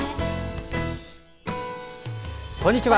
こんにちは。